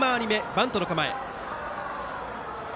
バントの構え。